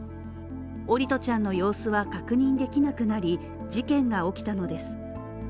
桜利斗ちゃんの様子は確認できなくなり、事件が起きたのです。